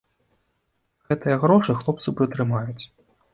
Гэтыя грошы хлопцы прытрымаюць.